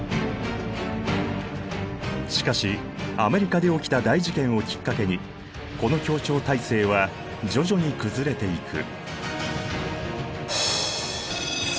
しかしアメリカで起きた大事件をきっかけにこの協調体制は徐々に崩れていく。